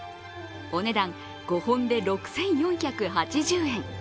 お値段５本で６４８０円。